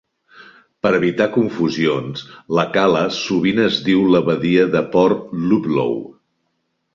Per evitar confusions, la cala sovint es diu la badia de Port Ludlow.